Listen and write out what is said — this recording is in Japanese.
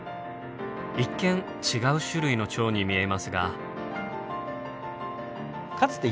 一見違う種類のチョウに見えますが。